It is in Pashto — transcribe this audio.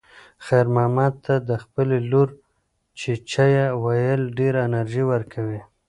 خیر محمد ته د خپلې لور "چیچیه" ویل ډېره انرژي ورکوي.